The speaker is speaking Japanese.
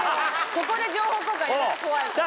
ここで情報交換やめて怖いから。